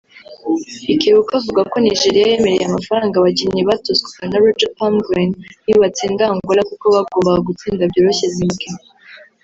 Ikewuaku avuga ko Nigeria yemereye amafaranga abakinnyi batozwaga na Roger Palmgren nibatsinda Angola kuko bagombaga gutsinda byoroshye Zimbabwe